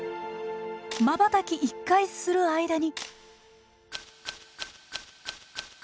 まばたき１回する間に。